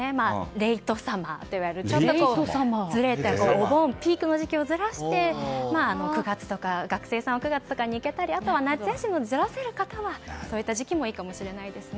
レイトサマーといわれるピークの時期をずらして学生さんは９月とかに行ったりあとは夏休みをずらせる方はそういった時期もいいかもしれないですね。